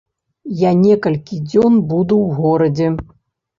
Я некалькі дзён буду ў горадзе.